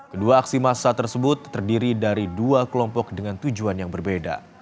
kedua aksi massa tersebut terdiri dari dua kelompok dengan tujuan yang berbeda